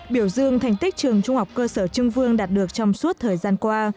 biểu dương thành tích trường trung học cơ sở trưng vương đạt được trong suốt thời gian qua